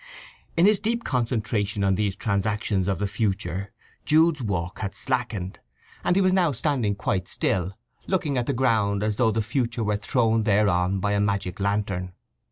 In his deep concentration on these transactions of the future Jude's walk had slackened, and he was now standing quite still, looking at the ground as though the future were thrown thereon by a magic lantern.